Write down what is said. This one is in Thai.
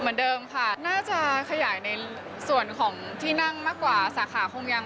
เหมือนเดิมค่ะน่าจะขยายในส่วนของที่นั่งมากกว่าสาขาคงยัง